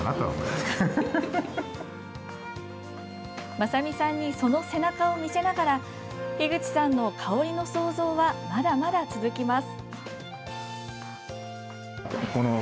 雅美さんにその背中を見せながら樋口さんの香りの創造はまだまだ続きます。